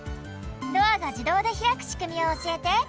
ドアがじどうでひらくしくみをおしえて。